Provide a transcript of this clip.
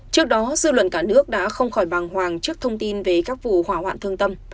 trước đó dư luận cả nước đã không khỏi bàng hoàng trước thông tin về các vụ hỏa hoạn thương tâm